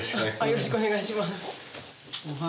よろしくお願いしますイブキは？